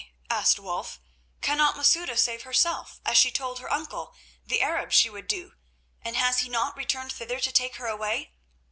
asked Wulf. "Cannot Masouda save herself, as she told her uncle, the Arab, she would do? And has he not returned thither to take her away?"